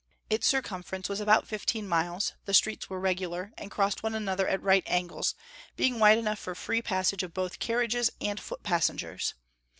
Its circumference was about fifteen miles; the streets were regular, and crossed one another at right angles, being wide enough for free passage of both carriages and foot passengers.